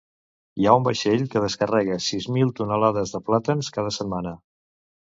Hi ha un vaixell que descarrega sis mil tonelades de plàtans cada setmana